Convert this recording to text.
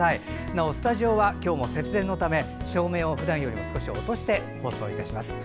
なお、スタジオは今日も節電のため照明をふだんよりも落として放送いたします。